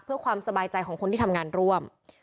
เพื่อความสบายใจของคนที่ทำงานร่วม